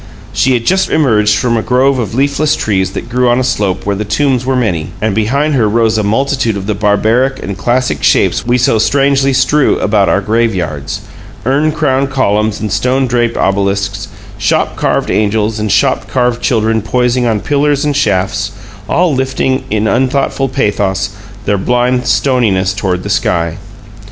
She had just emerged from a grove of leafless trees that grew on a slope where the tombs were many; and behind her rose a multitude of the barbaric and classic shapes we so strangely strew about our graveyards: urn crowned columns and stone draped obelisks, shop carved angels and shop carved children poising on pillars and shafts, all lifting in unthought pathos their blind stoniness toward the sky.